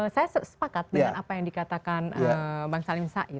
saya sepakat dengan apa yang dikatakan bang salim said